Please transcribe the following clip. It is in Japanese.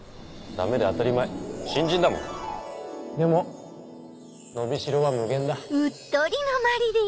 ダメで当たり前新人だもでも伸び代は無限だフフ。